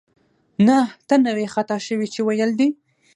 نه، ته نه وې خطا شوې چې ویل دې